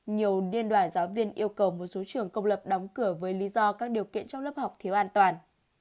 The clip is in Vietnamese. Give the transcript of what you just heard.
nhiều liên đoàn giáo viên yêu cầu một số trường công lập đóng cửa với lý do các điều kiện trong lớp học thiếu an toàn